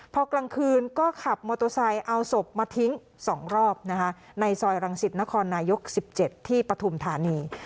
พอกลางคืนก็ขับมอเตอร์ไซค์เอาศพมาทิ้ง๒รอบนะคะในซอยรังสิตนครนายก๑๗ที่ปฐุมธานี